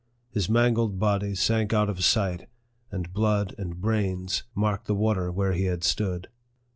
His mangled body sank out of sight, and blood and brains marked the water where he had stood.